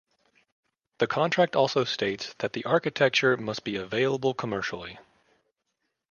The contract also states that the architecture shall be available commercially.